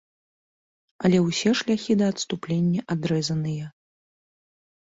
Але ўсе шляхі да адступлення адрэзаныя.